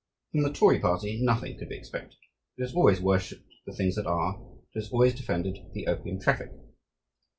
From the Tory party nothing could be expected; it has always worshipped the Things that Are, and it has always defended the opium traffic.